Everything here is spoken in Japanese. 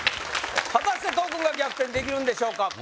果たして東軍が逆転できるんでしょうか？